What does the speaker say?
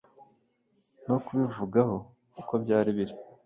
no kubivugaho uko byari biri.